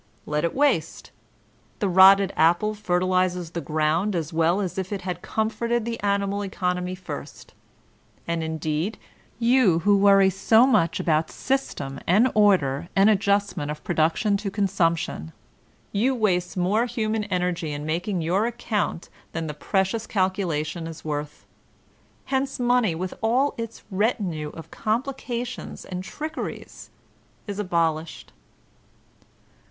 Let it waste. The rotted apple fertilizes the ground as v;ell as if it had comforted the animal economy first. And, indeed, you who worry so much about system and order and adjust* ment of production to consumption, you waste more human energy in making your account than the precious cakulatton is worth. Hence money with all its retinue of complications and trickeries is abolished.